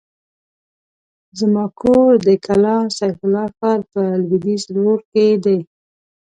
زما کور د کلا سيف الله ښار په لوېديځ لور کې دی.